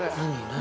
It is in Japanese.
何？